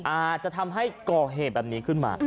อาจจะทำให้ก่อเหตุแบบนี้ขึ้นมา